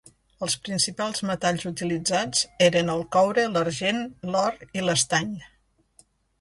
Els principals metalls utilitzats eren el coure, l'argent, l'or i l'estany.